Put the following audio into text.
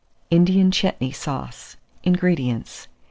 INDIAN CHETNEY SAUCE. 452. INGREDIENTS.